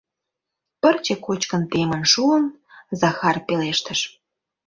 — Пырче кочкын темын, шуын, — Захар пелештыш.